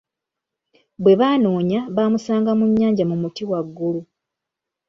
Bwe banoonya bamusanga mu nnyanja mu muti waggulu.